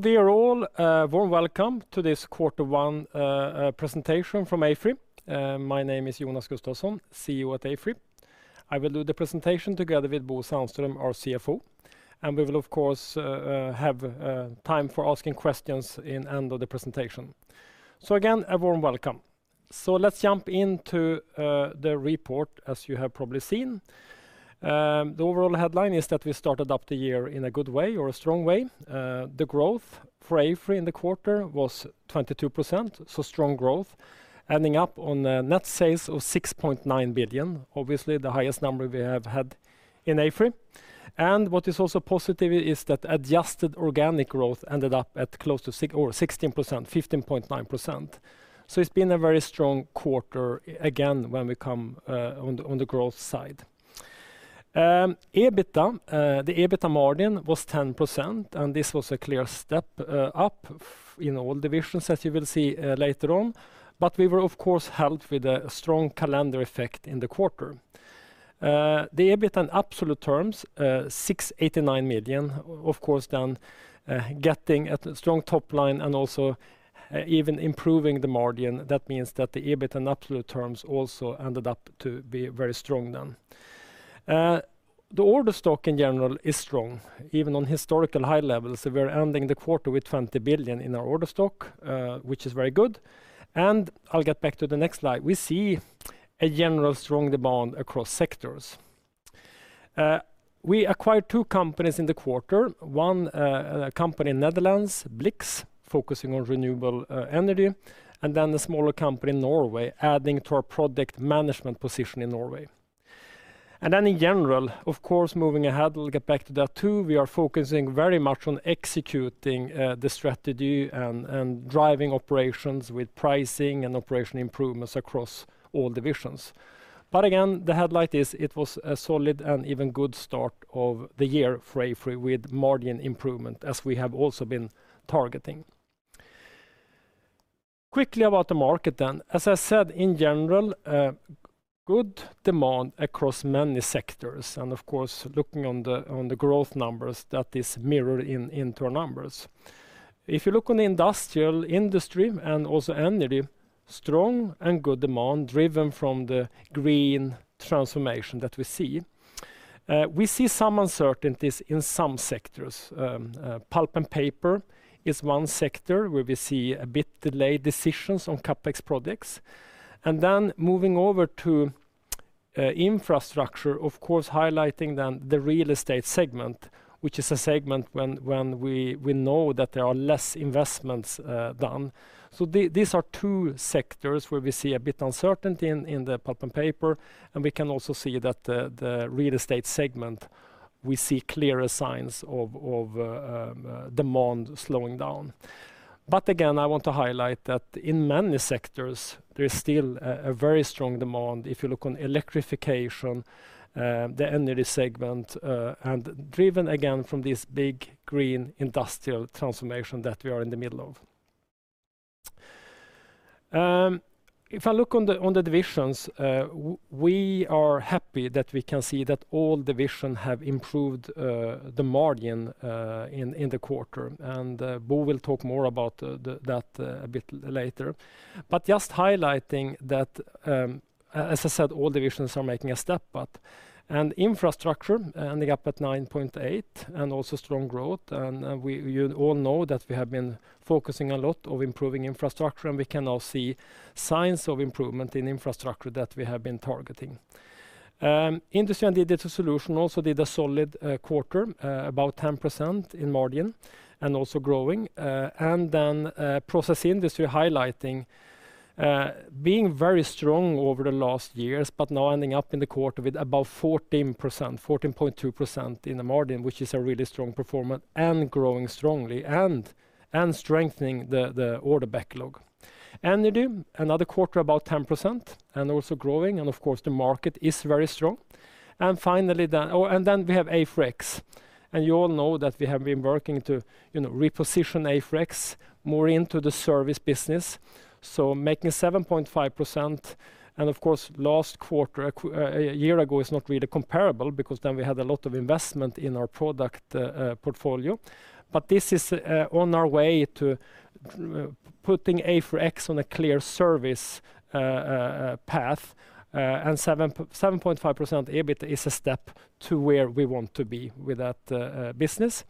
Dear all, warm welcome to this quarter one presentation from AFRY. My name is Jonas Gustavsson, CEO at AFRY. I will do the presentation together with Bo Sandström, our CFO, and we will, of course, have time for asking questions in end of the presentation. Again, a warm welcome. Let's jump into the report, as you have probably seen. The overall headline is that we started up the year in a good way or a strong way. The growth for AFRY in the quarter was 22%, so strong growth, ending up on a net sales of 6.9 billion, obviously the highest number we have had in AFRY. What is also positive is that adjusted organic growth ended up at close to 16%, 15.9%. It's been a very strong quarter again when we come on the growth side. EBITDA, the EBITDA margin was 10%, and this was a clear step up in all divisions, as you will see later on, but we were, of course, helped with a strong calendar effect in the quarter. The EBITDA in absolute terms, 689 million, of course then, getting a strong top line and also even improving the margin. That means that the EBITDA in absolute terms also ended up to be very strong then. The order stock in general is strong, even on historical high levels. We're ending the quarter with 20 billion in our order stock, which is very good. I'll get back to the next slide. We see a general strong demand across sectors. We acquired two companies in the quarter, one, a company in Netherlands, BLIX, focusing on renewable energy, and then a smaller company in Norway, adding to our product management position in Norway. In general, of course, moving ahead, we'll get back to that too. We are focusing very much on executing the strategy and driving operations with pricing and operation improvements across all divisions. Again, the headlight is it was a solid and even good start of the year for AFRY with margin improvement as we have also been targeting. Quickly about the market then. As I said, in general, a good demand across many sectors, and of course, looking on the growth numbers that is mirrored in to our numbers. If you look on the industrial industry and also energy, strong and good demand driven from the green transformation that we see. We see some uncertainties in some sectors. pulp and paper is one sector where we see a bit delayed decisions on CapEx products. Moving over to Infrastructure, of course, highlighting then the real estate segment, which is a segment when we know that there are less investments done. These are two sectors where we see a bit uncertainty in the pulp and paper, and we can also see that the real estate segment, we see clearer signs of demand slowing down. Again, I want to highlight that in many sectors, there is still a very strong demand. If you look on electrification, the Energy segment, and driven again from this big green industrial transformation that we are in the middle of. If I look on the divisions, we are happy that we can see that all division have improved the margin in the quarter, and Bo will talk more about that a bit later. Just highlighting that, as I said, all divisions are making a step, and Infrastructure ending up at 9.8% and also strong growth. We, you all know that we have been focusing a lot of improving Infrastructure, and we can now see signs of improvement in Infrastructure that we have been targeting. Industrial & Digital Solutions also did a solid quarter, about 10% in margin and also growing. Process Industries highlighting being very strong over the last years but now ending up in the quarter with about 14%, 14.2% in the margin, which is a really strong performance and growing strongly and strengthening the order backlog. Energy, another quarter, about 10%, and also growing. Of course, the market is very strong. Finally, the... Oh, then we have AFRY X. You all know that we have been working to, you know, reposition AFRY X more into the service business. Making 7.5%, and of course, last quarter, a year ago is not really comparable because then we had a lot of investment in our product portfolio. This is on our way to putting AFRY X on a clear service path. 7.5% EBIT is a step to where we want to be with that business.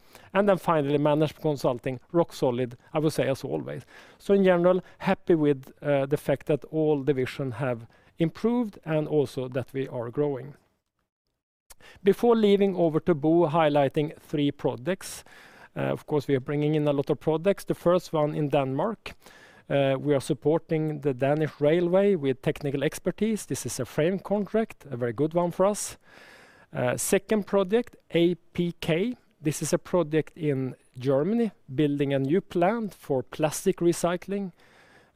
Finally, Management Consulting, rock solid, I would say, as always. In general, happy with the fact that all division have improved and also that we are growing. Before leaving over to Bo, highlighting three projects. Of course, we are bringing in a lot of projects. The first one in Denmark, we are supporting the Danish Railway with technical expertise. This is a frame contract, a very good one for us. Second project, APK. This is a project in Germany, building a new plant for plastic recycling,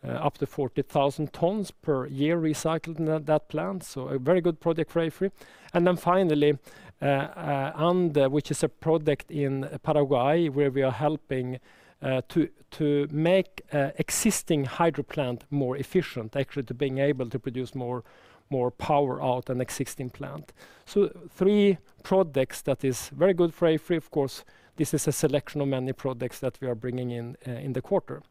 up to 40,000 tons per year recycled in that plant. A very good project for AFRY. Then finally, ANDE, which is a project in Paraguay, where we are helping to make existing hydro plant more efficient, actually to being able to produce more power out an existing plant. Three products that is very good for AFRY. Of course, this is a selection of many products that we are bringing in in the quarter.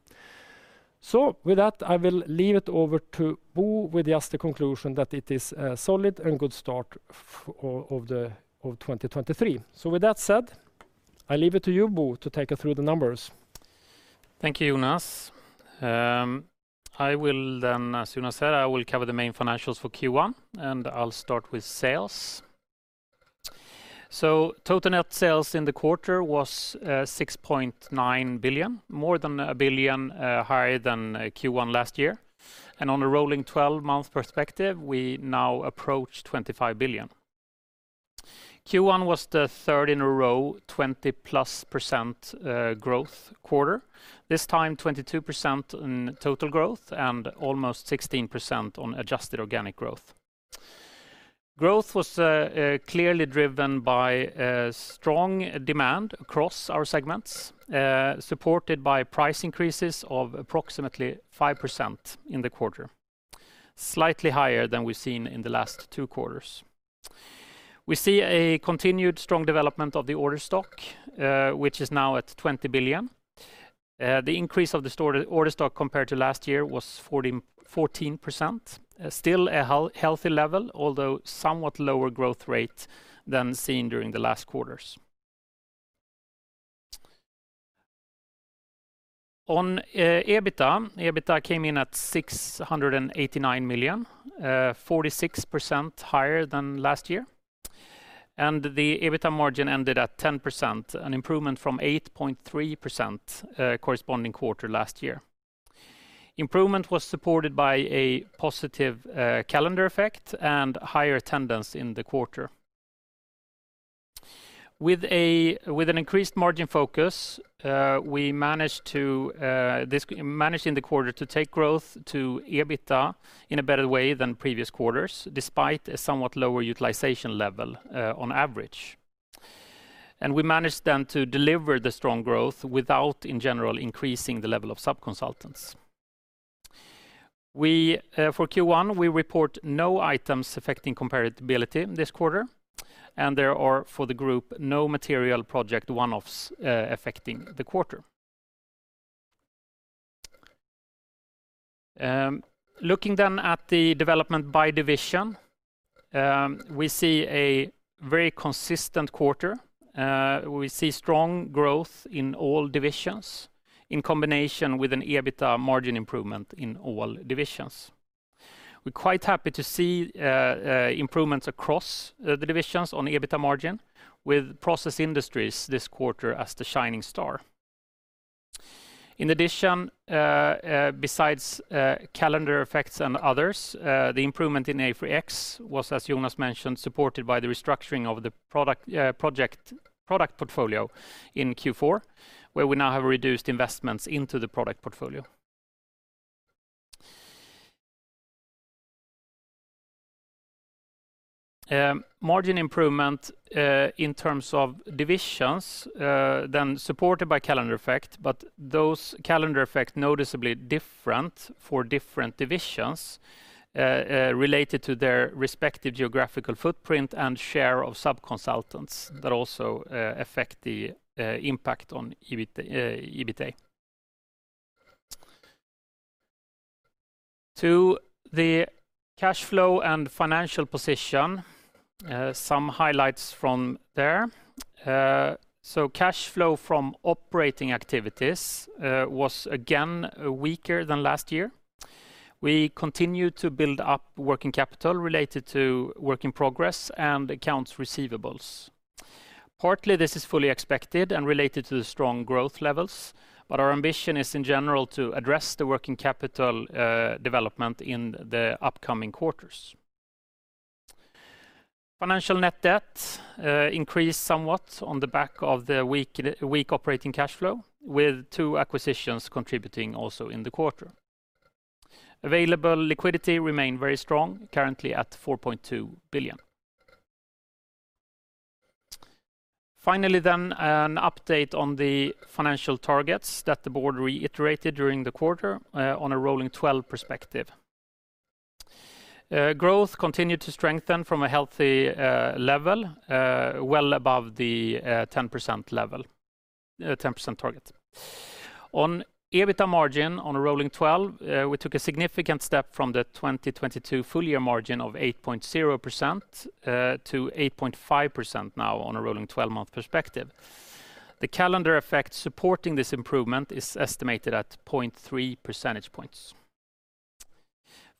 With that, I will leave it over to Bo with just the conclusion that it is a solid and good start of the 2023. With that said, I leave it to you, Bo, to take us through the numbers. Thank you, Jonas. As Jonas said, I will cover the main financials for Q1, and I'll start with sales. Total net sales in the quarter was 6.9 billion, more than 1 billion higher than Q1 last year. On a rolling 12-month perspective, we now approach 25 billion. Q1 was the third in a row 20%+ growth quarter, this time 22% in total growth and almost 16% on adjusted organic growth. Growth was clearly driven by strong demand across our segments, supported by price increases of approximately 5% in the quarter, slightly higher than we've seen in the last two quarters. We see a continued strong development of the order stock, which is now at 20 billion. The increase of the order stock compared to last year was 14%, still a healthy level, although somewhat lower growth rate than seen during the last quarters. On EBITDA came in at 689 million, 46% higher than last year, and the EBITDA margin ended at 10%, an improvement from 8.3%, corresponding quarter last year. Improvement was supported by a positive calendar effect and higher attendance in the quarter. With an increased margin focus, we managed in the quarter to take growth to EBITDA in a better way than previous quarters, despite a somewhat lower utilization level on average. We managed then to deliver the strong growth without, in general, increasing the level of subconsultants. We for Q1, we report no items affecting comparability this quarter. There are, for the group, no material project one-offs affecting the quarter. Looking then at the development by division, we see a very consistent quarter. We see strong growth in all divisions in combination with an EBITDA margin improvement in all divisions. We're quite happy to see improvements across the divisions on EBITDA margin with Process Industries this quarter as the shining star. In addition, besides calendar effects and others, the improvement in AFRY X was, as Jonas mentioned, supported by the restructuring of the product portfolio in Q4, where we now have reduced investments into the product portfolio. Margin improvement in terms of divisions, supported by calendar effect, but those calendar effects noticeably different for different divisions, related to their respective geographical footprint and share of subconsultants that also affect the impact on EBITDA. To the cash flow and financial position, some highlights from there. Cash flow from operating activities was again weaker than last year. We continue to build up working capital related to work in progress and accounts receivables. Partly, this is fully expected and related to the strong growth levels, but our ambition is in general to address the working capital development in the upcoming quarters. Financial net debt increased somewhat on the back of the weak operating cash flow, with two acquisitions contributing also in the quarter. Available liquidity remained very strong, currently at 4.2 billion. An update on the financial targets that the board reiterated during the quarter, on a rolling twelve perspective. Growth continued to strengthen from a healthy level, well above the 10% level, 10% target. On EBITDA margin on a rolling twelve, we took a significant step from the 2022 full year margin of 8.0%, to 8.5% now on a rolling twelve-month perspective. The calendar effect supporting this improvement is estimated at 0.3 percentage points.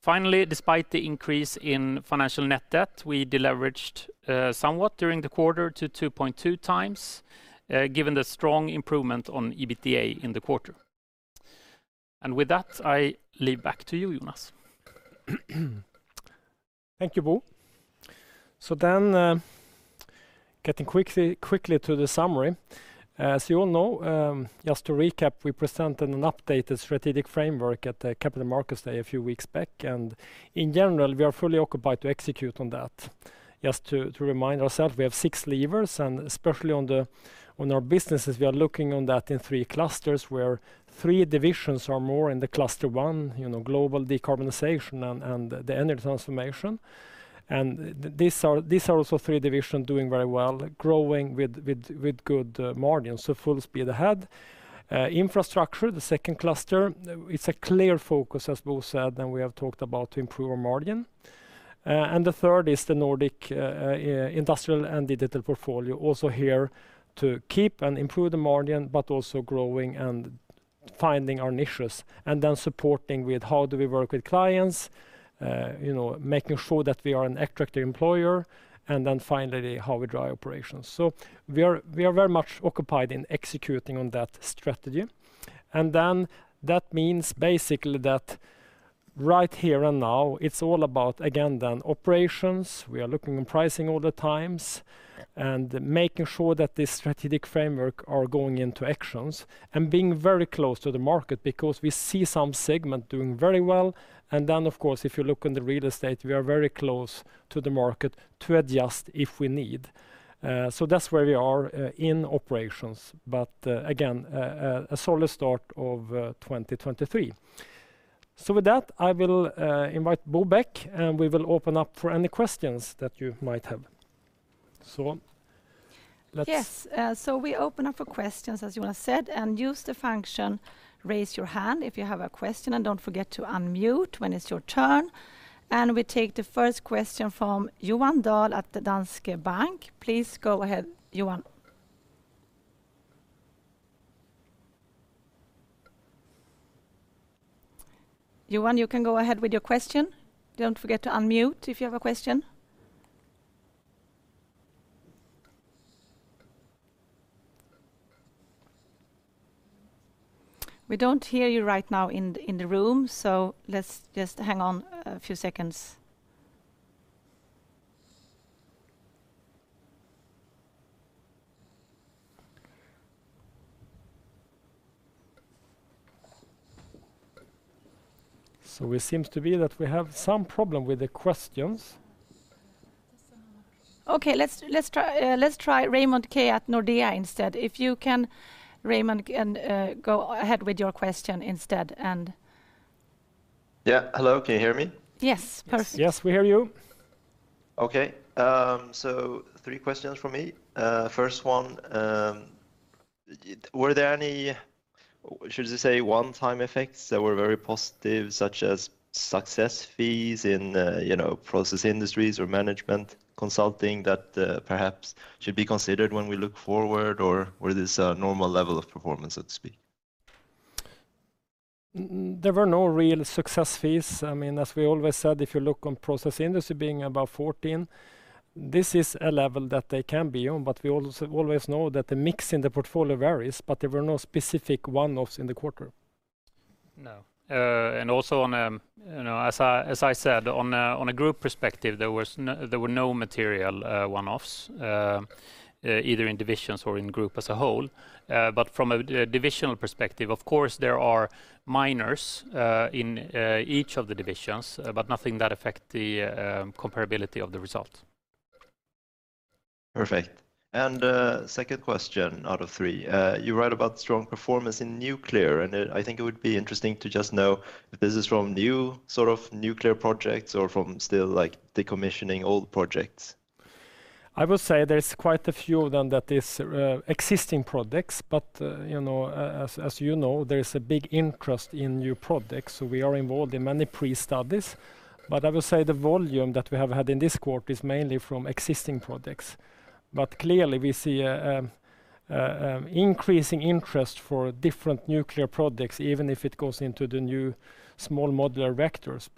Despite the increase in financial net debt, we deleveraged somewhat during the quarter to 2.2x, given the strong improvement on EBITDA in the quarter. I leave back to you, Jonas. Thank you, Bo. Getting quickly to the summary. As you all know, just to recap, we presented an updated strategic framework at the Capital Markets Day a few weeks back, and in general, we are fully occupied to execute on that. Just to remind ourselves, we have six levers, and especially on our businesses, we are looking on that in three clusters, where three divisions are more in the cluster one, you know, global decarbonization and the energy transformation. These are also three division doing very well, growing with good margins, so full speed ahead. Infrastructure, the second cluster, it's a clear focus, as Bo said, and we have talked about to improve our margin. The third is the Nordic Industrial and Digital portfolio, also here to keep and improve the margin, but also growing and finding our niches, and then supporting with how do we work with clients, you know, making sure that we are an attractive employer, and then finally, how we drive operations. We are very much occupied in executing on that strategy. That means basically that right here and now, it's all about, again, then operations. We are looking in pricing all the times and making sure that the strategic framework are going into actions, and being very close to the market because we see some segment doing very well. Of course, if you look in the real estate, we are very close to the market to adjust if we need. That's where we are in operations. Again, a solid start of 2023. With that, I will invite Bo back, and we will open up for any questions that you might have. Yes. We open up for questions, as Jonas said, and use the function Raise Your Hand if you have a question, and don't forget to unmute when it's your turn. We take the first question from Johan Dahl at the Danske Bank. Please go ahead, Johan. Johan, you can go ahead with your question. Don't forget to unmute if you have a question. We don't hear you right now in the room, let's just hang on a few seconds. It seems to be that we have some problem with the questions. Okay. Let's try Raymond Ke at Nordea instead. If you can, Raymond, and go ahead with your question instead. Yeah. Hello, can you hear me? Yes. Perfect. Yes, we hear you. Three questions from me. First one, were there any, should I say, one-time effects that were very positive, such as success fees in, you know, Process Industries or Management Consulting that perhaps should be considered when we look forward, or were these a normal level of performance, so to speak? There were no real success fees. I mean, as we always said, if you look on Process Industries being above 14%, this is a level that they can be on. We always know that the mix in the portfolio varies. There were no specific one-offs in the quarter. No. Also on, you know, as I, as I said, on a group perspective, there were no material one-offs, either in divisions or in group as a whole. From a divisional perspective, of course, there are minors in each of the divisions, but nothing that affect the comparability of the results. Perfect. Second question out of three. You wrote about strong performance in nuclear, and, I think it would be interesting to just know if this is from new sort of nuclear projects or from still, like, decommissioning old projects? I would say there's quite a few of them that is existing projects, you know, as you know, there is a big interest in new projects, so we are involved in many pre-studies. I would say the volume that we have had in this quarter is mainly from existing projects. Clearly, we see an increasing interest for different nuclear projects, even if it goes into the new small modular reactors.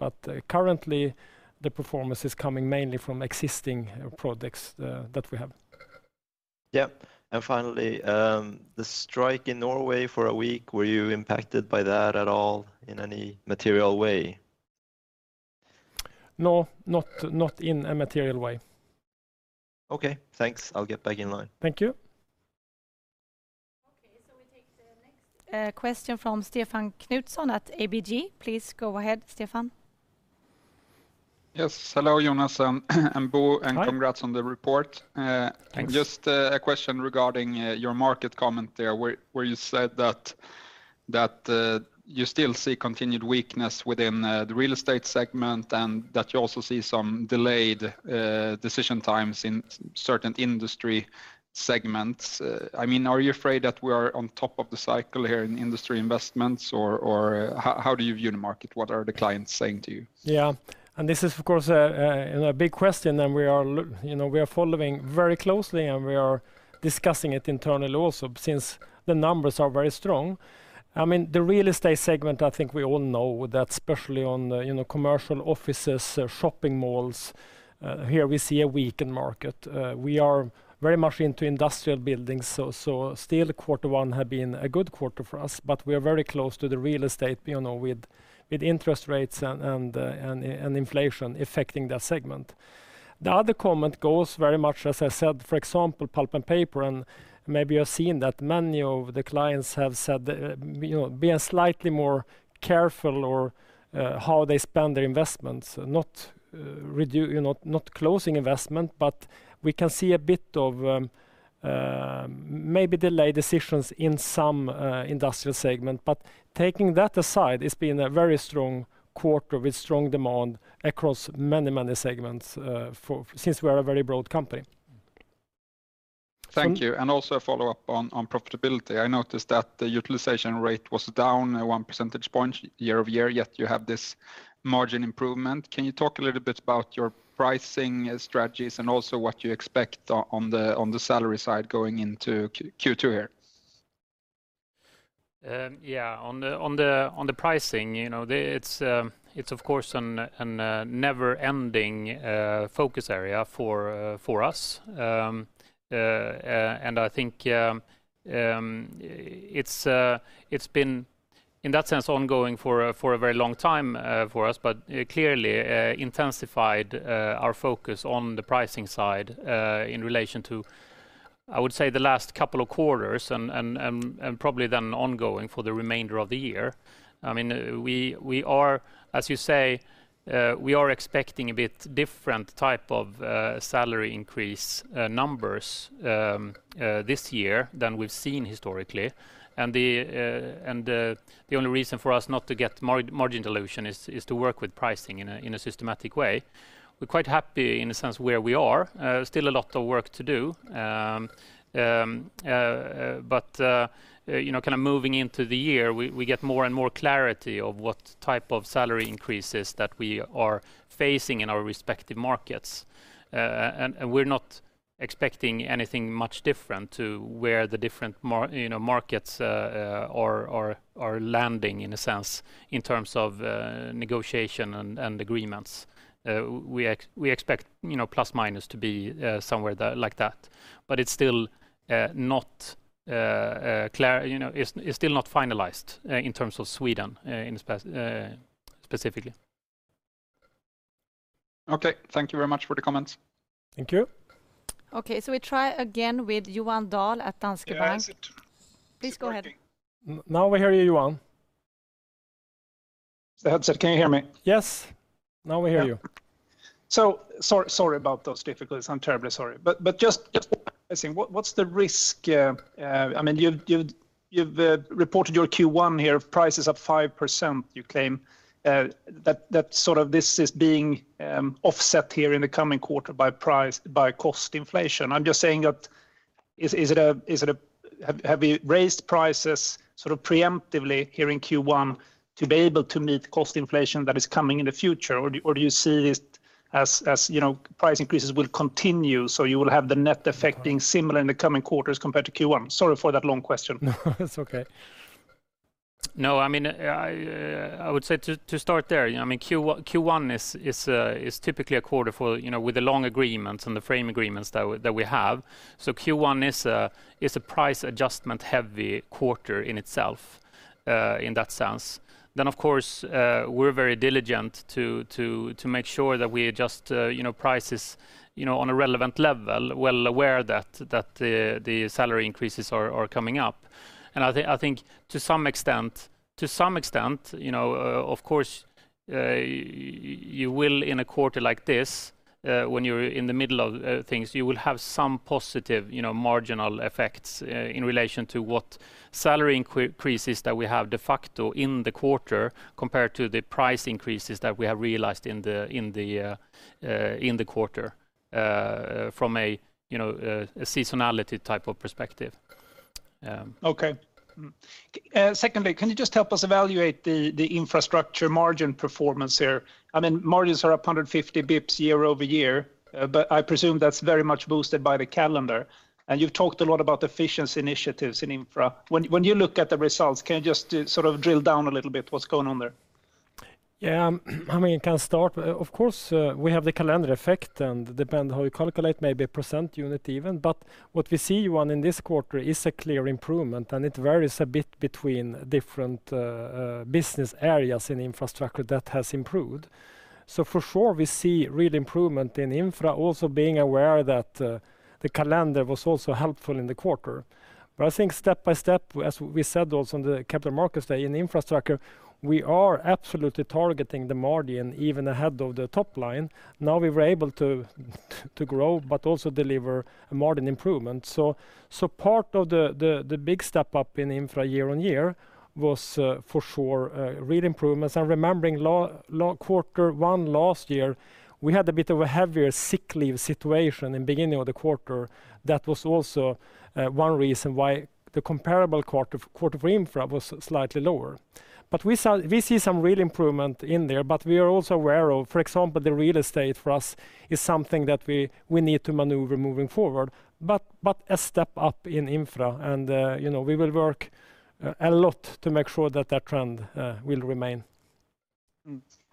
Currently, the performance is coming mainly from existing projects that we have. Yeah. Finally, the strike in Norway for a week, were you impacted by that at all in any material way? No. Not in a material way. Okay. Thanks. I'll get back in line. Thank you. Okay. We take the next question from Stefan Knutsson at ABG. Please go ahead, Stefan. Yes. Hello, Jonas and Bo. Hi Congrats on the report. Thanks Just a question regarding your market comment there, where you said that you still see continued weakness within the real estate segment and that you also see some delayed decision times in certain industry segments. I mean, are you afraid that we are on top of the cycle here in industry investments, or how do you view the market? What are the clients saying to you? Yeah. This is, of course, a big question, and we are you know, we are following very closely, and we are discussing it internally also, since the numbers are very strong. I mean, the real estate segment, I think we all know that especially on the, you know, commercial offices, shopping malls, here we see a weakened market. We are very much into industrial buildings, still quarter one have been a good quarter for us, but we are very close to the real estate, you know, with interest rates and inflation affecting that segment. The other comment goes very much as I said, for example, pulp and paper, and maybe you have seen that many of the clients have said that, you know, being slightly more careful or how they spend their investments, not closing investment, but we can see a bit of maybe delayed decisions in some industrial segment. Taking that aside, it's been a very strong quarter with strong demand across many segments, since we are a very broad company. Thank you. Also a follow-up on profitability. I noticed that the utilization rate was down 1 percentage point year-over-year, yet you have this margin improvement. Can you talk a little bit about your pricing strategies and also what you expect on the salary side going into Q2 here? Yeah. On the pricing, you know, it's of course a never-ending focus area for us. I think it's been in that sense ongoing for a very long time for us, but clearly intensified our focus on the pricing side in relation to, I would say, the last couple of quarters and probably then ongoing for the remainder of the year. I mean, we are, as you say, we are expecting a bit different type of salary increase numbers this year than we've seen historically. The only reason for us not to get margin dilution is to work with pricing in a systematic way. We're quite happy in a sense where we are. Still a lot of work to do. You know, kinda moving into the year, we get more and more clarity of what type of salary increases that we are facing in our respective markets. We're not expecting anything much different to where the different markets, you know, are landing in a sense in terms of negotiation and agreements. We expect, you know, plus/minus to be somewhere like that. It's still not clear, you know. It's still not finalized in terms of Sweden, specifically. Okay. Thank you very much for the comments. Thank you. Okay. We try again with Johan Dahl at Danske Bank. Yeah, is it working? Please go ahead. Now we hear you, Johan. The headset, can you hear me? Yes. Now we hear you. sorry about those difficulties. I'm terribly sorry. just. Mm-hmm. I think, what's the risk? I mean, you've reported your Q1 here. Price is up 5%, you claim. That sort of this is being offset here in the coming quarter by cost inflation. I'm just saying that is, Have you raised prices sort of preemptively here in Q1 to be able to meet cost inflation that is coming in the future? Or do you see this as, you know, price increases will continue, so you will have the net effect being similar in the coming quarters compared to Q1? Sorry for that long question. It's okay. I mean, I would say to start there, you know, I mean Q1 is typically a quarter for, you know, with the long agreements and the frame agreements that we have. Q1 is a price adjustment heavy quarter in itself, in that sense. Of course, we're very diligent to make sure that we adjust, you know, prices, you know, on a relevant level, well aware that the salary increases are coming up. I think to some extent, you know, of course, you will in a quarter like this, when you're in the middle of things, you will have some positive, you know, marginal effects, in relation to what salary increases that we have de facto in the quarter compared to the price increases that we have realized in the quarter, from a, you know, a seasonality type of perspective. Okay. Secondly, can you just help us evaluate the Infrastructure margin performance here? I mean, margins are up 150 basis points year-over-year, but I presume that's very much boosted by the calendar. You've talked a lot about efficiency initiatives in Infrastructure. When you look at the results, can you just sort of drill down a little bit what's going on there? Yeah. I mean, can start. Of course, we have the calendar effect, and depend how you calculate, maybe one percent unit even. What we see, Johan, in this quarter is a clear improvement, and it varies a bit between different business areas in Infrastructure that has improved. For sure, we see real improvement in Infra, also being aware that the calendar was also helpful in the quarter. I think step by step, as we said also on the Capital Markets Day, in Infrastructure, we are absolutely targeting the margin even ahead of the top line. Now we were able to grow, but also deliver a margin improvement. So part of the big step up in Infra year-on-year was for sure real improvements. Remembering Q1 last year, we had a bit of a heavier sick leave situation in beginning of the quarter. That was also one reason why the comparable quarter for Infra was slightly lower. We see some real improvement in there, but we are also aware of, for example, the real estate for us is something that we need to maneuver moving forward. A step up in Infra, and, you know, we will work a lot to make sure that that trend will remain.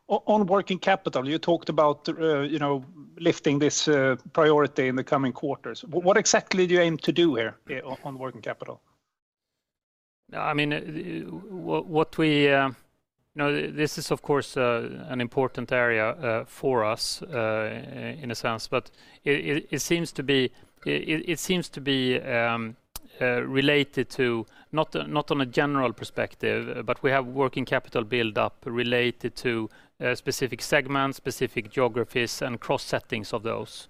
On working capital, you talked about, you know, lifting this priority in the coming quarters. What exactly do you aim to do here on working capital? No, I mean, what we, you know, this is of course, an important area, for us, in a sense, but it seems to be related to not on a general perspective, but we have working capital build up related to specific segments, specific geographies, and cross settings of those.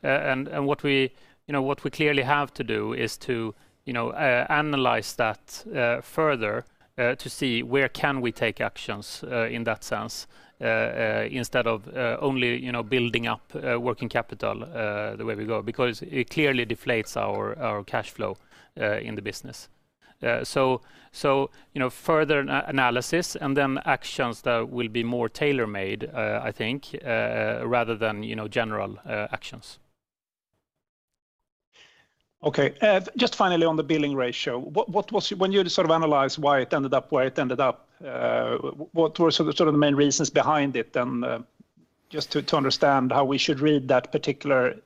What we, you know, what we clearly have to do is to, you know, analyze that further, to see where can we take actions in that sense, instead of only, you know, building up working capital, the way we go. Because it clearly deflates our cash flow in the business. You know, further analysis and then actions that will be more tailor-made, I think, rather than, you know, general actions. Okay. Just finally on the billing ratio, what was... When you sort of analyzed why it ended up where it ended up, what were sort of the main reasons behind it then, just to understand how we should read that particular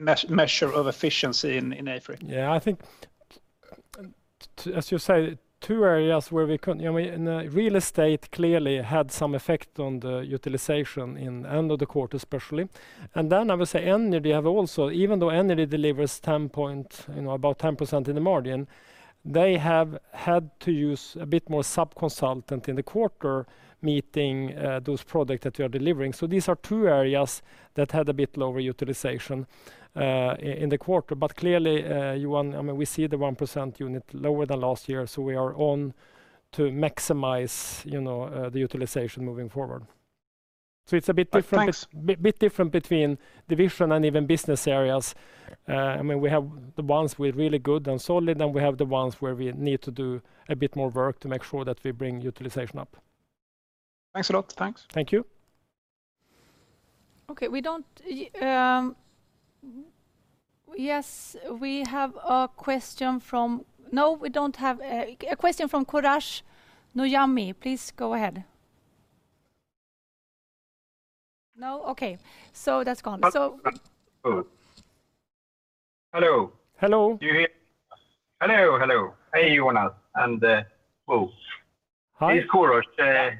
measure of efficiency in AFRY? Yeah. I think, as you say, two areas where we could, you know, I mean, real estate clearly had some effect on the utilization in end of the quarter especially. I would say Energy have also, even though Energy delivers 10%, you know, about 10% in the margin, they have had to use a bit more sub-consultant in the quarter meeting, those product that we are delivering. These are two areas that had a bit lower utilization in the quarter. Clearly, Johan, I mean, we see the 1% unit lower than last year, we are on to maximize, you know, the utilization moving forward. It's a bit different. Thanks Bit different between division and even business areas. I mean, we have the ones with really good and solid, and we have the ones where we need to do a bit more work to make sure that we bring utilization up. Thanks a lot. Thanks. Thank you. Okay. We don't yes, we have a question from. No, we don't have a question from Korash Noyami. Please go ahead. No? Okay. That's gone. Hello? Hello. Do you hear? Hello, hello. Hey, Johan, and Bo. Hi. This is Korash.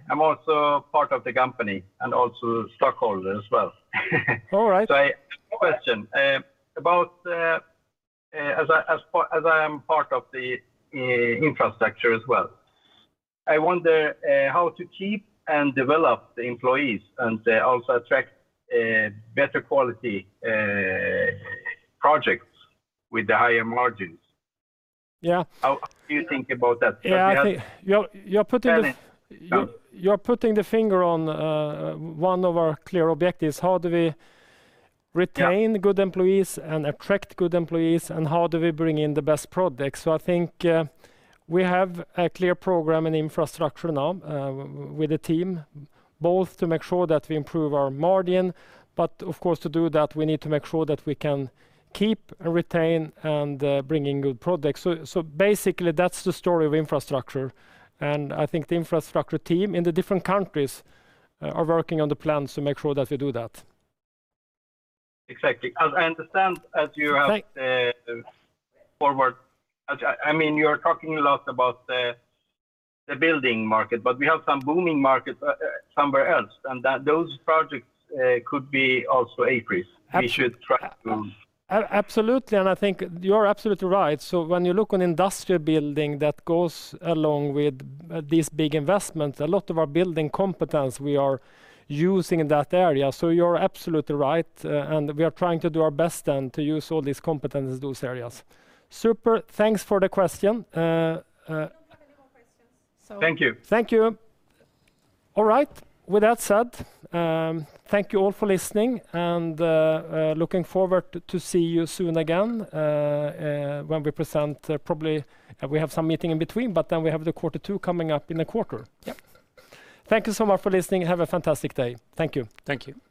I'm also part of the company, and also stockholder as well. All right. I, question, about, as I am part of the infrastructure as well, I wonder, how to keep and develop the employees and, also attract, better quality, projects with the higher margins? Yeah. How do you think about that? Yeah. Do we have. You're putting. 10. You're putting the finger on, one of our clear objectives. Yeah. Good employees and attract good employees, and how do we bring in the best products? I think we have a clear program and Infrastructure now with the team, both to make sure that we improve our margin. Of course, to do that, we need to make sure that we can keep and retain and bring in good products. Basically, that's the story of Infrastructure. I think the Infrastructure team in the different countries are working on the plans to make sure that we do that. Exactly. As I understand, as you have. Thank. Forward, I mean, you're talking a lot about the building market, but we have some booming markets somewhere else, and that those projects could be also AFRY's. Ab. We should try to move. Absolutely. I think you're absolutely right. When you look on industrial building that goes along with these big investments, a lot of our building competence we are using in that area. You're absolutely right. We are trying to do our best to use all these competence in those areas. Super. Thanks for the question. We don't have any more questions. Thank you. Thank you. All right. With that said, thank you all for listening and looking forward to see you soon again, when we present, probably, we have some meeting in between, but then we have the quarter two coming up in a quarter. Yep. Thank you so much for listening. Have a fantastic day. Thank you. Thank you.